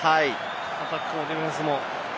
アタックもディフェンスも。